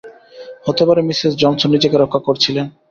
হতে পারে Mrs Johnson নিজেকে রক্ষা করছিলেন।